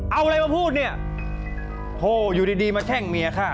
เอาอะไรมาพูดเนี่ยโหอยู่ดีดีมาแช่งเมียฆ่า